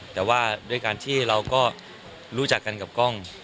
แต่ว่าด้วยการที่เราก็รู้จักกันกับกล้อง